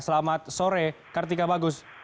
selamat sore kartika bagus